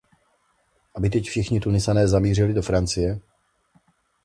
Aby teď všichni Tunisané zamířili do Francie?